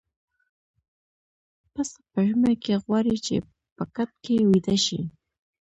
پسه په ژمي کې غواړي چې په کټ کې ويده شي.